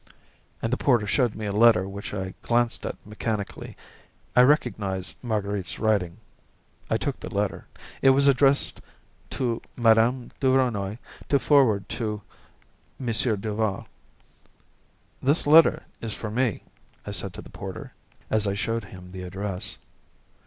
And the porter showed me a letter which I glanced at mechanically. I recognised Marguerite's writing. I took the letter. It was addressed, "To Mme. Duvernoy, to forward to M. Duval." "This letter is for me," I said to the porter, as I showed him the address.